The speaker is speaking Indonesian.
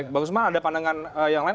bagus banget ada pandangan yang lain